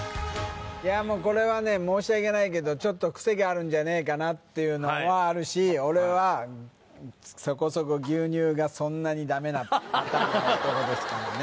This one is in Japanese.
いやもうこれはね申し訳ないけどちょっとクセがあるんじゃねえかなっていうのはあるし俺はそこそこ牛乳がそんなにダメなパターンの男ですからね